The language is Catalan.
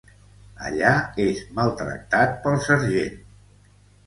Allà és maltractat pel sergent.